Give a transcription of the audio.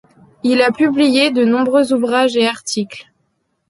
Il a publié de nombreux ouvrages et articles.